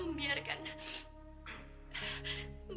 membiarkan bayi yang saya kandung